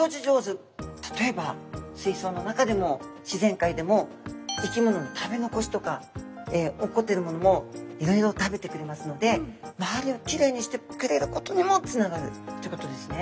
例えば水槽の中でも自然界でも生き物の食べ残しとか落っこってるものもいろいろ食べてくれますので周りをキレイにしてくれることにもつながるということですね！